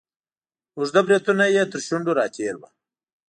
اوږده بریتونه یې تر شونډو را تیر وه.